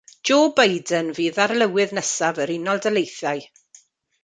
Joe Biden fydd arlywydd nesaf yr Unol Daleithiau.